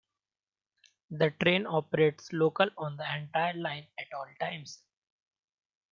The train operates local on the entire line at all times.